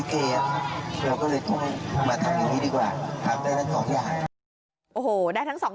เราก็เลยต้องมาทำอย่างนี้ดีกว่าครับได้ทั้ง๒อย่าง